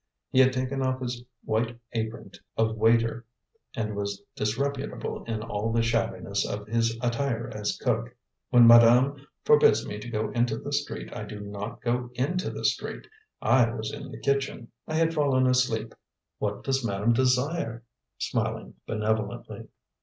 He had taken off his white apron of waiter, and was disreputable in all the shabbiness of his attire as cook. "When madame forbids me to go into the street, I do not go into the street. I was in the kitchen; I had fallen asleep. What does madame desire?" smiling benevolently.